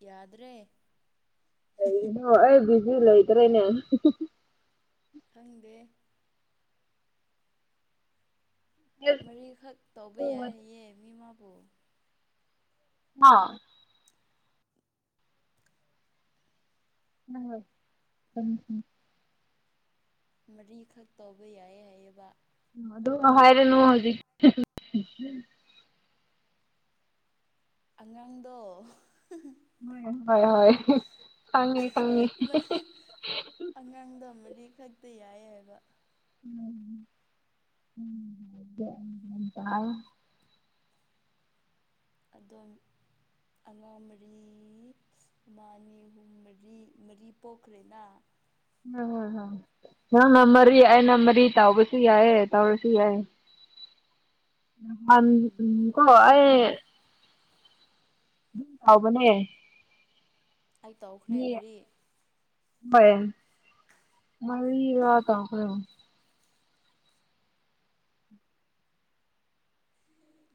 ꯌꯥꯗ꯭ꯔꯦ ꯀꯩꯒꯤꯅꯣ ꯑꯩꯒꯤꯗꯤ ꯂꯩꯇ꯭ꯔꯦꯅꯦ ꯈꯪꯗꯦ ꯃꯔꯤꯈꯛ ꯇꯧꯕ ꯌꯥꯏꯌꯦ ꯃꯤꯃꯕꯨ ꯍꯥ ꯅꯪꯅ ꯎꯝꯝ ꯃꯔꯤꯈꯛ ꯇꯧꯕ ꯌꯥꯏꯌꯦ ꯍꯥꯏꯏꯑꯦꯕ ꯑꯗꯨꯝ ꯍꯥꯏꯔꯅꯨ ꯍꯧꯖꯤꯛ ꯑꯉꯥꯡꯗꯣ ꯍ ꯍꯣꯏ ꯍꯣꯏ ꯈꯪꯉꯦ ꯈꯪꯉꯦ ꯑꯗꯣ ꯃꯔꯤ ꯈꯛꯇ ꯌꯥꯏ ꯍꯥꯏꯕ ꯎꯝꯝ [unintelligible] ꯑꯗꯣ ꯑꯉꯥꯡ ꯃꯔꯤ ꯃꯥ ꯑꯅꯤ ꯑꯍꯨꯝ ꯃꯔꯤ ꯃꯔꯤ ꯄꯣꯛꯈ꯭ꯔꯦꯅ ꯍꯣꯏ ꯍꯣꯏ ꯅꯪꯅ ꯃꯔꯤ ꯑꯩꯅ ꯃꯔꯤ ꯇꯥꯎꯕꯁꯨ ꯌꯥꯏꯑ ꯇꯥꯎꯔꯁꯨ ꯌꯥꯏ ꯎꯝ ꯀꯣ ꯑꯩ ꯑꯗꯨ ꯍꯥꯎꯕꯅꯦ ꯑꯩ ꯇꯧꯈ꯭ꯔꯦ ꯃꯔꯤ ꯍꯣꯏ ꯃꯔꯤ ꯇꯧꯈ꯭ꯔꯦ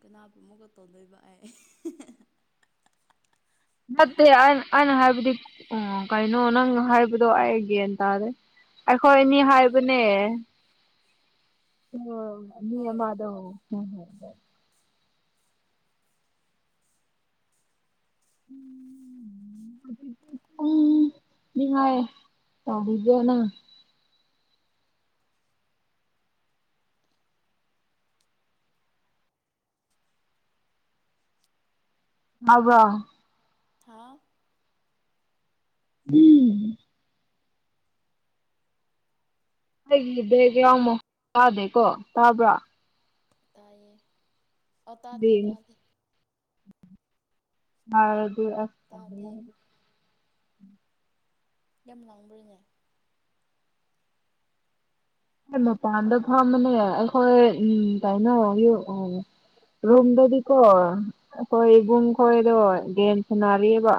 ꯀꯅꯥꯕꯨ ꯃꯨꯛꯀ ꯇꯣꯟꯗꯣꯏꯕ ꯑꯩ ꯅꯠꯇꯦ ꯑꯩꯅ ꯍꯥꯏꯕꯗꯤ ꯑꯣ ꯀꯩꯅꯣ ꯅꯪ ꯍꯥꯏꯕꯗꯣ ꯑꯩ ꯒ꯭ꯌꯥꯟ ꯇꯥꯗꯦ ꯑꯈꯣꯏ ꯑꯅꯤ ꯍꯣꯔꯦꯟ ꯁꯟ ꯍꯥꯏꯕꯅꯦ ꯑꯥ ꯃꯤ ꯍꯣꯏ ꯑꯃꯗꯣ [unintelligible] ꯎꯝ ꯎꯝ [unintelligible] ꯇꯧꯕꯤꯕ꯭ꯔꯥ ꯅꯪ ꯍꯥꯎꯕ꯭ꯔꯣ ꯍꯥꯎ ꯎꯝ ꯑꯩꯒꯤ ꯕꯦꯛꯒ꯭ꯔꯥꯎ ꯃ ꯇꯥꯗꯦꯀꯣ ꯇꯥꯕ꯭ꯔꯥ ꯇꯥꯏꯌꯦ ꯑ ꯇꯥꯗꯦ ꯇꯥꯗꯦ ꯍꯔꯗꯤ ꯑꯁ ꯇꯥꯗꯦ ꯌꯥꯝ ꯂꯥꯡꯕ꯭ꯔꯅꯦ ꯄꯥꯟꯗ ꯐꯥꯝꯕꯅꯦ ꯑꯈꯣꯏ ꯎꯝ ꯀꯩꯅꯣ ꯚꯤꯎ ꯔꯨꯝꯗꯗꯤꯀꯣ ꯑꯈꯣꯏ ꯎꯝ ꯏꯕꯨꯡ ꯈꯣꯏꯗꯣ ꯒꯦꯝ ꯁꯅꯥꯔꯤꯑꯕ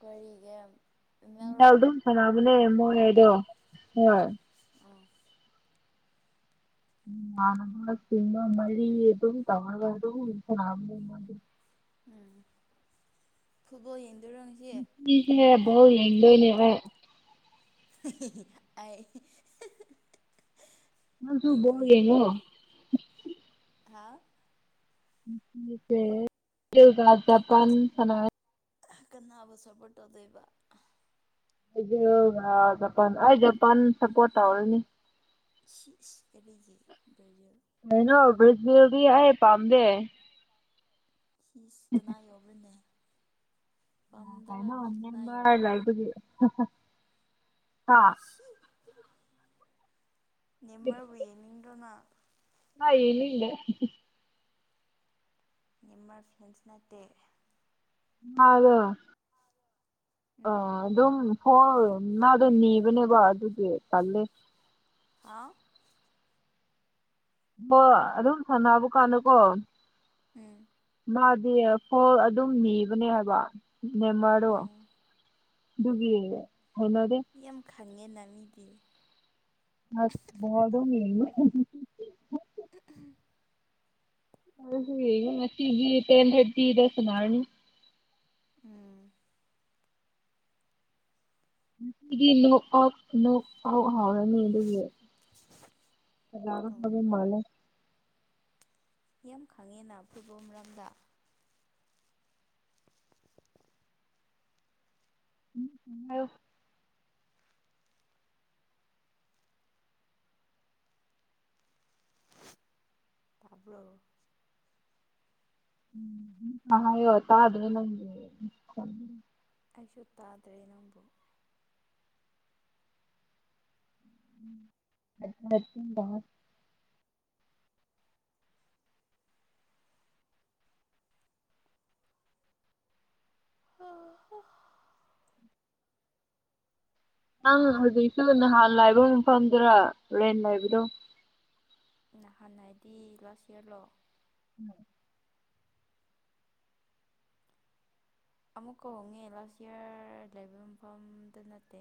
ꯀꯔꯤꯒꯤ ꯏꯃꯦꯜꯔꯣ ꯑꯗꯨꯝ ꯁꯥꯟꯅꯕꯅꯦ ꯃꯣꯏ ꯍꯥꯏꯗꯣ ꯍꯣꯏ ꯑꯥ [unintelligible] ꯃꯔꯤ ꯇꯧꯔ ꯑꯗꯨꯝ ꯁꯥꯟꯅꯕꯅꯦ ꯎꯝ ꯐꯨꯠꯕꯣꯜ ꯌꯦꯡ ꯉꯁꯤꯁꯦ ꯕꯣꯜ ꯌꯦꯡꯗꯣꯏꯅꯦ ꯍꯣꯏ ꯑꯩ ꯅꯪꯁꯨ ꯕꯣꯜ ꯌꯦꯡꯉꯣ ꯍꯥꯎ ꯉꯁꯤꯁꯦ ꯖꯤꯜꯒ ꯀꯟ ꯖꯄꯥꯟ ꯀꯟ ꯁꯅꯥ ꯀꯅꯥꯕꯨ ꯁꯞꯄꯣꯔꯠ ꯇꯧꯗꯣꯏꯕ ꯕꯔꯖꯤꯜꯒ ꯖꯄꯥꯟ ꯑꯩ ꯖꯄꯥꯟ ꯁꯄꯣꯔꯠ ꯇꯧꯔꯅꯤ ꯁꯤꯁ ꯀꯔꯤꯒꯤ ꯕ꯭ꯔꯖꯤꯜ ꯀꯩꯅꯣ ꯕ꯭ꯔꯖꯤꯜꯗꯤ ꯑꯩ ꯄꯥꯝꯗꯦ ꯁꯤꯁ ꯀꯅꯥ ꯌꯥꯎꯕ꯭ꯔꯅꯦ ꯀꯩꯅꯣ ꯀꯅꯥ ꯅꯦꯃꯔ ꯌꯧꯕ꯭ꯔꯥ ꯂꯩꯕꯒꯤ ꯍꯥ ꯁꯤ ꯅꯦꯃꯔꯕꯨ ꯌꯦꯡꯅꯤꯡꯗ꯭ꯔꯣ ꯅꯪ ꯑꯩ ꯌꯦꯡꯅꯤꯡꯗꯦ ꯅꯦꯝꯃꯔ ꯐꯦꯟꯁ ꯅꯠꯇꯦ ꯃꯥꯗꯣ ꯎꯝ ꯑꯥ ꯑꯗꯨꯝ ꯍꯣꯜ ꯃꯥꯗꯣ ꯅꯤ ꯕꯅꯦꯕ ꯗꯨꯒꯤ ꯇꯜꯂꯦ ꯍꯥ ꯕꯣꯜ ꯑꯗꯨꯝ ꯁꯥꯟꯅꯕ ꯀꯥꯟꯗꯀꯣ ꯎꯝ ꯃꯥꯗꯤ ꯐꯣꯜ ꯑꯗꯨꯝ ꯅꯤꯕꯅꯦ ꯍꯥꯏꯕ ꯅꯦꯃꯔꯗꯣ ꯎꯝ ꯗꯨꯒꯤ ꯍꯩꯅꯗꯦ ꯈꯪꯉꯦ ꯅ ꯃꯤꯗꯤ ꯑꯁ ꯕꯣꯜ ꯑꯗꯨꯝ [unintelligible] [inaudible] ꯉꯁꯤ ꯉꯁꯤꯗꯤ ꯇꯦꯟ ꯊꯔꯇꯤꯗ ꯁꯟꯅꯔꯅꯤ ꯎꯝ ꯉꯁꯤꯗꯤ ꯅꯣꯛ ꯑꯥꯎꯠ ꯅꯣꯛ ꯑꯥꯎ ꯍꯥꯎꯔꯅꯤ ꯑꯗꯨꯒꯤ ꯁꯅꯕ ꯑꯣ ꯍꯧꯕ ꯃꯥꯜꯂꯦ ꯌꯥꯝ ꯈꯪꯉꯦꯅ ꯐꯨꯠꯕꯣꯜ ꯃꯔꯝꯗ [unintelligible] ꯇꯥꯕ꯭ꯔꯣ ꯑ ꯍꯥꯏꯌꯣ ꯇꯗ꯭ꯔꯦ ꯅꯪꯒꯤ ꯃꯈꯣꯟ ꯑꯩꯁꯨ ꯇꯥꯗ꯭ꯔꯦ ꯅꯪꯕꯨ [unintelligible] ꯅꯪ ꯍꯧꯖꯤꯛꯁꯨ ꯅꯍꯥꯟ ꯂꯥꯏꯕ ꯃꯐꯝꯗꯨꯔ ꯔꯦꯟ ꯂꯩꯕꯗꯣ ꯅꯍꯥꯟ ꯍꯥꯏꯗꯤ ꯂꯥꯁ ꯏꯌꯔꯂꯣ [inaudible] ꯑꯃꯨꯛꯀ ꯍꯣꯡꯉꯦ ꯂꯥꯁ ꯏꯌꯔ ꯂꯩꯕ ꯃꯐꯝꯗꯣ ꯅꯠꯇꯦ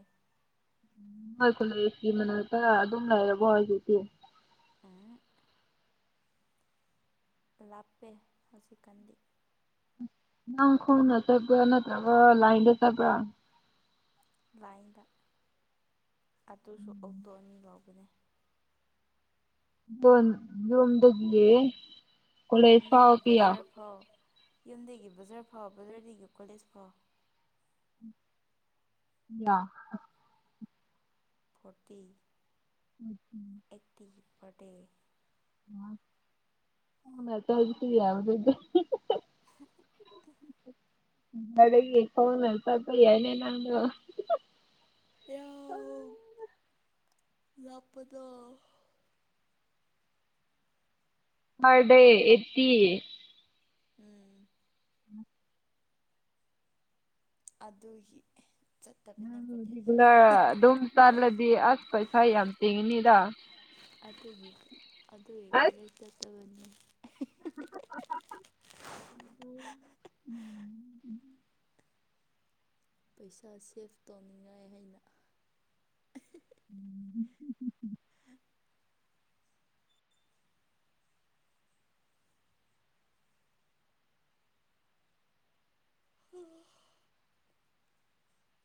ꯅꯣꯏ ꯀꯣꯂꯦꯁꯀꯤ ꯃꯅꯥꯛꯇ ꯑꯗꯨꯝ ꯂꯩꯔꯕꯣ ꯍꯧꯖꯤꯛꯇꯤ ꯎꯝ ꯂꯞꯄꯦ ꯍꯧꯖꯤꯛꯀꯥꯟꯗꯤ ꯅꯪ ꯈꯣꯡꯅ ꯆꯠꯄ꯭ꯔ ꯅꯠꯇ꯭ꯔꯒ ꯂꯥꯏꯟꯗ ꯆꯠꯄ꯭ꯔ ꯂꯥꯏꯟꯗ ꯑꯗꯨꯁꯨ ꯑꯣꯛꯇꯣ ꯑꯅꯤ ꯂꯧꯕꯅꯦ ꯕꯣꯟ ꯌꯣꯝꯗꯒꯤ ꯌꯨꯝꯗꯒꯤ ꯕꯖꯥꯔ ꯐꯥꯎ ꯌꯨꯝꯗꯒꯤ ꯕꯖꯥꯔ ꯐꯥꯎ ꯕꯖꯥꯔꯗꯒꯤ ꯀꯣꯂꯦꯖ ꯐꯥꯎ ꯌꯥ ꯍ ꯐꯣꯔꯇꯤ [inaudible] ꯕꯔꯗꯦ [unintelligible] ꯌꯥꯔꯣꯢꯗꯧꯗ [unintelligible] [inaudible] ꯑꯗꯒꯤ ꯈꯣꯡꯅ ꯆꯠꯄ ꯌꯥꯢꯅꯦ ꯅꯪꯖꯨ [unintelligible] ꯌꯥꯎ ꯂꯥꯛꯄꯗ [unintelligible] ꯑꯦꯠꯇꯤ ꯎꯝ ꯑꯗꯨꯒꯤ ꯆꯠꯇꯕꯅꯦ ꯀꯣꯂꯦꯖ ꯂ ꯑꯗꯨꯝ ꯆꯜꯂꯗꯤ ꯑꯁ ꯄꯩꯁꯥ ꯌꯥꯝ ꯇꯤꯡꯅꯤꯗ ꯑꯗꯨꯒꯤ ꯑꯗꯨꯒꯤ ꯀꯣꯂꯦꯖ ꯆꯠꯇꯕꯅꯤ ꯎꯝ ꯄꯩꯁꯥ ꯁꯦꯚ ꯇꯧꯅꯤꯡꯉꯥꯏ ꯍꯥꯏꯅ ꯎꯝ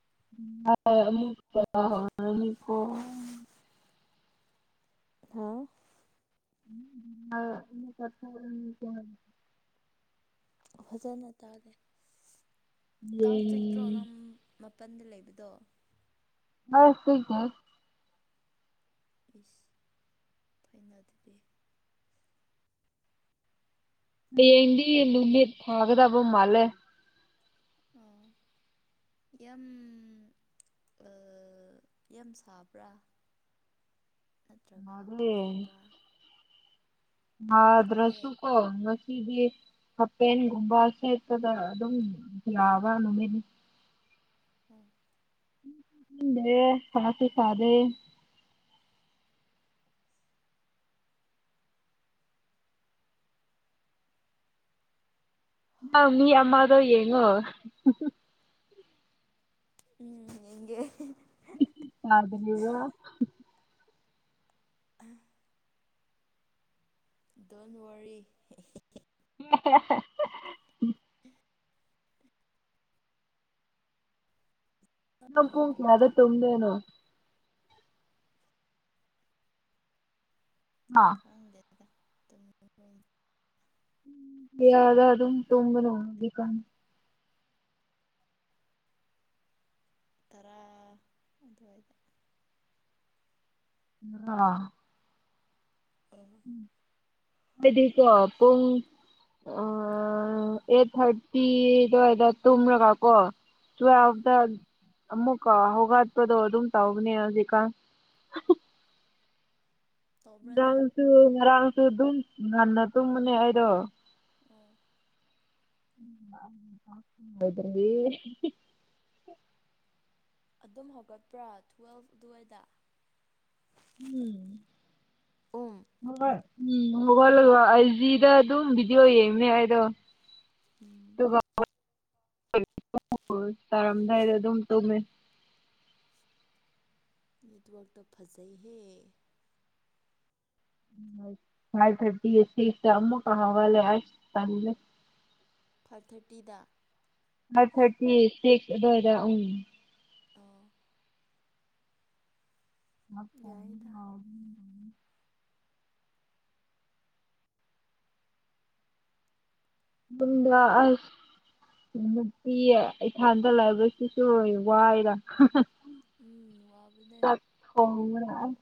ꯍꯣꯏ [unintelligible] ꯍꯥꯎ [unintelligible] ꯐꯖꯅ ꯇꯥꯗꯦ ꯀꯥꯡ ꯆꯤꯛꯇ꯭ꯔꯣ ꯅꯪ ꯍꯌꯦꯡꯗꯤ ꯃ ꯄꯥꯟꯗ ꯂꯩꯕꯗꯣ ꯑꯥ ꯆꯤꯛꯇꯦ ꯏꯁ ꯐꯥꯏꯅꯗꯨꯗꯤ ꯌꯦꯡꯗꯤ ꯅꯨꯃꯤꯠ ꯐꯥꯒꯗꯕ ꯃꯥꯜꯂꯦ ꯑꯥ [inaudible] ꯌꯥꯝ ꯑꯥ ꯌꯥꯝ ꯁꯥꯕ꯭ꯔꯥ [inaudible] ꯅꯠꯇ꯭ꯔꯒ ꯃꯥꯜꯂꯦ ꯏꯪꯕ꯭ꯔꯥ ꯁꯥꯏꯌꯦ ꯍꯥꯗ꯭ꯔꯁꯨꯨ ꯀꯣ ꯉꯁꯤꯗꯤ ꯁꯥꯕꯦꯟꯒꯨꯝꯕ ꯁꯦꯠꯇꯗ ꯑꯗꯨꯝ ꯌꯥꯕ ꯅꯨꯃꯤꯠꯅꯤ ꯎꯝ [unintelligible] ꯉꯁꯤ ꯁꯥꯗꯦ ꯑꯥ ꯃꯤ ꯑꯃꯗꯣ ꯌꯦꯡꯉꯣ ꯎꯝ ꯌꯦꯡꯒꯦ ꯁꯥꯗꯔꯤꯔ ꯗꯣꯟꯋꯥꯔꯤ [inaudible] [inaudible] ꯅꯪ ꯍꯦꯟꯅ ꯄꯨꯡ ꯀꯌꯥꯗ ꯌꯦꯡꯕꯤꯕꯅꯦ ꯇꯨꯝꯗꯣꯏꯅꯣ ꯑꯥ [inaudible] [unintelligible] ꯇꯔꯥ ꯑꯗꯨꯋꯥꯏꯗ ꯑꯥ ꯑꯣ ꯍꯥꯏꯗꯤ ꯀꯣ ꯄꯨꯡ ꯑꯥ ꯑꯩꯠ ꯊꯥꯔꯇꯤꯗꯋꯥꯏꯗ ꯇꯨꯝꯔꯒ ꯀꯣ ꯎꯝ ꯇꯨꯋꯦꯜꯇ ꯑꯃꯨꯛ ꯀꯣ ꯍꯧꯒꯠꯄꯗꯣ ꯑꯗꯨꯝ ꯇꯧꯅꯦ ꯍꯧꯖꯤꯛꯀꯥꯟ ꯇꯧꯕ꯭ꯔꯥ ꯅꯪ ꯉꯥꯡꯁꯨ ꯉꯔꯥꯡꯁꯨ ꯑꯗꯨꯝ ꯉꯟꯅ ꯇꯨꯝꯕꯅꯦ ꯑꯩꯗꯣ ꯑꯣ [unintelligible] ꯑꯗꯨꯝ ꯍꯧꯒꯠꯄ꯭ꯔꯥ ꯇꯨꯋꯦꯜꯐ ꯑꯗꯨꯋꯥꯏꯗ ꯎꯝ ꯎꯝ ꯍꯣꯏ ꯎꯝ ꯍꯧꯒꯠꯂꯒ ꯑꯥꯏꯖꯤꯗ ꯑꯗꯨꯝ ꯕꯤꯗꯤꯑꯣ ꯌꯦꯡꯕꯅꯦ ꯑꯩꯗꯣ ꯎꯝ ꯑꯗꯨꯒ ꯇꯥꯔꯝꯗꯥꯏꯗ ꯑꯗꯨꯝ ꯇꯨꯝꯃꯦ ꯅꯦꯠꯋꯥꯛꯇꯣ ꯐꯖꯩꯍꯦ ꯐꯥꯏꯚ ꯐꯤꯐꯇꯤ ꯁꯤꯛꯁꯇ ꯑꯃꯨꯛꯀ ꯍꯧꯒꯠꯂꯦ ꯑꯁ ꯇꯜꯂꯦ ꯐꯥꯏꯐ ꯊ꯭ꯔꯇꯤꯗ ꯐꯥꯢꯚ ꯊꯔꯇꯤ ꯁꯤꯛꯁ ꯑꯗꯨꯋꯥꯢꯗ ꯎꯝ ꯑꯣ ꯌꯥꯏꯗ [unintelligible] ꯗꯨꯝꯗ ꯑꯩ ꯅꯨꯄꯤ ꯑꯩꯊꯟꯗ ꯂꯩꯕꯒꯤꯁꯨ ꯋꯥꯏꯌꯦꯗ ꯍꯥꯍꯥ ꯎꯝ ꯋꯥꯕꯅꯦ ꯆꯥꯛ ꯊꯣꯡꯕ ꯑꯏ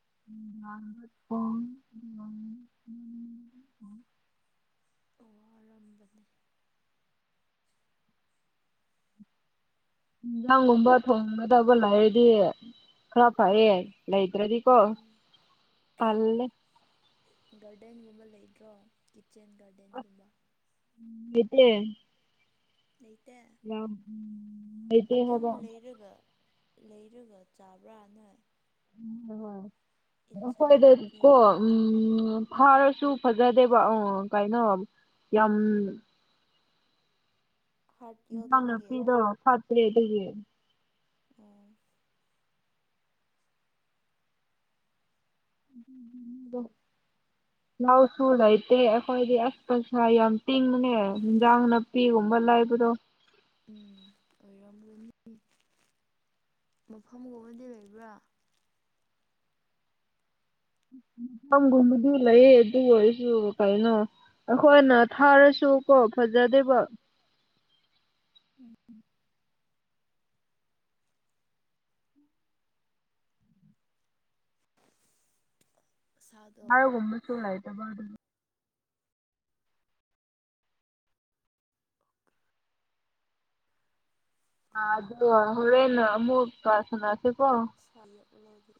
[unintelligible] ꯋꯥꯔꯝꯕꯅꯦ ꯍꯤꯡꯖꯥꯡꯒꯨꯝꯕ ꯊꯣꯡꯒꯗꯕ ꯂꯩꯔꯗꯤ ꯈꯔ ꯐꯌꯦ ꯂꯩ ꯇ꯭ꯔꯗꯤꯀꯣ ꯎꯝ ꯇꯜꯂꯦ ꯒꯥꯔꯗꯦꯟꯒꯨꯝꯕ ꯂꯩꯇ꯭ꯔꯣ ꯀꯤꯠꯆꯦꯟ ꯑꯁ ꯒꯥꯔꯗꯦꯟꯒꯨꯝꯕ ꯂꯩꯇꯦ ꯂꯩꯇꯦ ꯂꯝ ꯂꯩꯇꯦ ꯑꯗꯨꯝ ꯍꯥꯏꯕ ꯂꯩꯔꯒ ꯂꯩꯔꯒ ꯆꯥꯕ꯭ꯔꯥ ꯅꯣꯏ ꯏꯟꯁꯥꯡ ꯎꯈꯣꯏꯗ ꯀꯣ ꯅꯥꯄꯤꯒꯨꯝꯕꯗꯣ ꯎꯝ ꯐꯥꯔꯁꯨ ꯐꯖꯗꯦꯕ ꯑꯣ ꯀꯩꯅꯣ ꯌꯥꯝ ꯍꯥꯔꯠ ꯌꯥꯎꯗꯕꯒꯤ ꯅꯪꯅꯄꯤꯗꯣ ꯐꯠꯇ꯭ꯔꯦ ꯑꯗꯨꯒꯤ ꯑꯣ ꯑꯗꯨꯒꯤ ꯃꯤꯗꯣ ꯂꯧꯁꯨ ꯂꯩꯇꯦ ꯑꯩꯈꯣꯏꯗꯤ ꯑꯁ ꯑꯁ ꯌꯥꯝ ꯇꯤꯡꯕꯅꯦ ꯏꯟꯖꯥꯡ ꯅꯥꯄꯤꯒꯨꯝ ꯕ ꯂꯩꯕꯗꯣ ꯎꯝ ꯑꯣꯏꯔꯝꯒꯅꯤ ꯃꯐꯝꯒꯨꯝꯕꯗꯤ ꯂꯩꯕ꯭ꯔꯥ ꯐꯝꯒꯨꯝꯕꯗꯤ ꯂꯩꯌꯦ ꯑꯗꯨ ꯑꯣꯏꯔꯁꯨ ꯀꯩꯅꯣ ꯑꯩꯈꯣꯏꯅ ꯊꯥꯔꯁꯨ ꯀꯣ ꯐꯖꯗꯦꯕ ꯎꯝ ꯎꯝ ꯁꯥꯗꯣ ꯍꯥꯔꯒꯨꯝꯕꯁꯨ ꯂꯩꯇꯕ ꯑꯗꯨ ꯑꯥ ꯑꯗꯨ ꯍꯣꯔꯦꯟ ꯑꯃꯃꯨꯛꯀꯥ ꯁꯥꯟꯅꯁꯦꯀꯣ ꯁꯌꯦꯛꯂꯣꯗꯤ